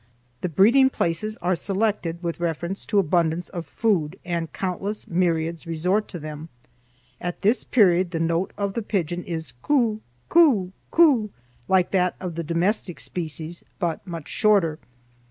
"The breeding places are selected with reference to abundance of food, and countless myriads resort to them. At this period the note of the pigeon is coo coo coo, like that of the domestic species but much shorter.